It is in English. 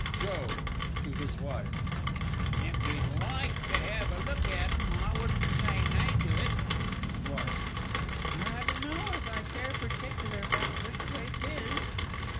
JOE (to his WIFE). If ye'd like to hev a look at 'em, I wun't say nay to et. HIS WIFE. I dunno as I care partickler 'bout which way 'tis.